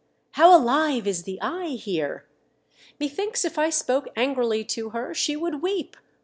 How alive is the eye here ! Methinks if I spoke angrily to her she would weep!"